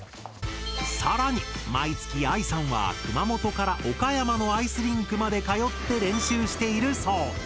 更に毎月あいさんは熊本から岡山のアイスリンクまで通って練習しているそう。